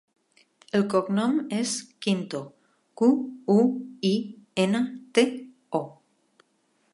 El cognom és Quinto: cu, u, i, ena, te, o.